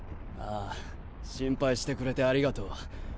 あぁ心配してくれてありがとう。